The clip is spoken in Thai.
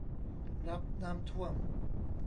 รับน้ำท่วม